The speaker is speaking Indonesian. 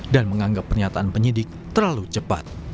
dan menganggap pernyataan penyidik terlalu cepat